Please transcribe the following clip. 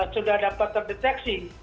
sudah dapat terdeteksi